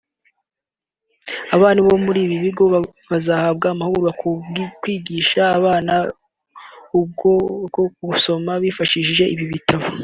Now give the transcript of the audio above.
Abarimu bo muri ibi bigo bo bazahabwa amahugurwa ku kwigisha abana uburyo bwo gusoma bifashishije ibi bitabo